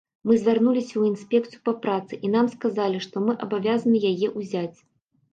Мы звярнуліся ў інспекцыю па працы, і нам сказалі, што мы абавязаны яе ўзяць.